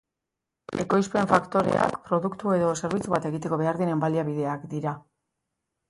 Ekoizpen-faktoreak produktu edo zerbitzu bat egiteko behar diren baliabideak dira.